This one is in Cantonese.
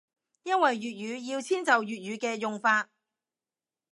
因為粵語要遷就粵語嘅用法